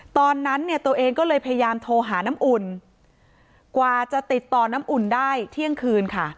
ตอนนั้นเนี่ยตัวเองก็เลยพยายามโทรหาน้ำอุ่นกว่าจะติดต่อน้ำอุ่นได้เที่ยงคืนค่ะ